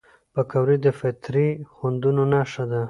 پکورې د فطري خوندونو نښه ده